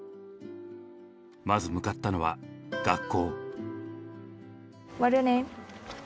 まず向かったのは学校。